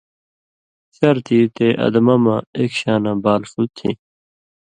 شرط یی تے ادمہ مہ ایک شاناں بال ݜُو تھی